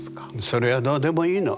それはどうでもいいの。